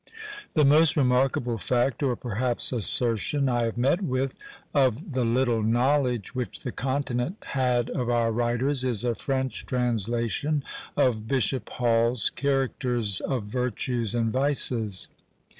The most remarkable fact, or perhaps assertion, I have met with, of the little knowledge which the Continent had of our writers, is a French translation of Bishop Hall's "Characters of Virtues and Vices."